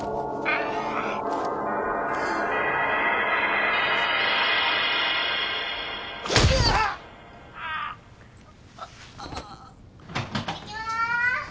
いってきまーす！